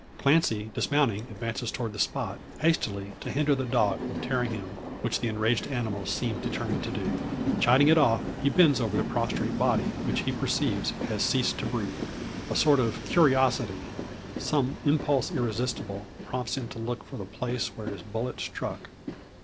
Clancy, dismounting, advances towards the spot; hastily, to hinder the dog from tearing him, which the enraged animal seems determined to do. Chiding it off, he bends over the prostrate body, which he perceives has ceased to breathe. A sort of curiosity, some impulse irresistible, prompts him to look for the place where his bullet struck.